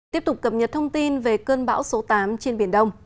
tiếp tục cập nhật thông tin về cơn bão số tám trên biển đông